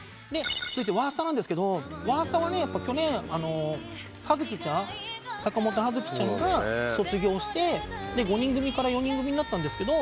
続いてわーすたなんですけどわーすたは去年葉月ちゃん。坂元葉月ちゃんが卒業して５人組から４人組になったんですけど。